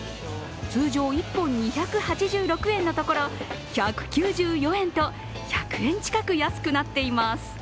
通常１本２８６円のところ１９４円と１００円近く安くなっています。